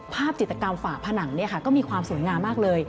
จิตกรรมฝาผนังก็มีความสวยงามมากเลย